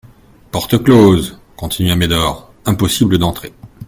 Porte close, continua Médor, impossible d'entrer.